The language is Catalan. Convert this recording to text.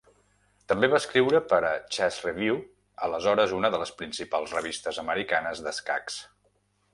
També va escriure per a "Chess Review", aleshores una de les principals revistes americanes d'escacs.